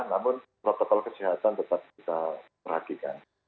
namun protokol kesehatan tetap kita perhatikan